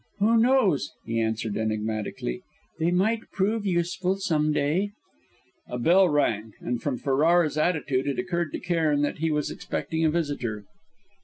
"Who knows?" he answered enigmatically. "They might prove useful, some day." A bell rang; and from Ferrara's attitude it occurred to Cairn that he was expecting a visitor.